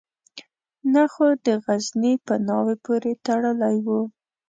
نه خو د غزني په ناوه پورې تړلی وو.